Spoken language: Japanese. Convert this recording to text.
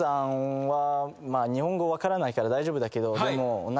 日本語分からないから大丈夫だけど。